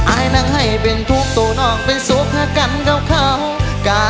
อ้ายนั่งให้เป็นทุกตัวนอกเป็นสุขกันเก่า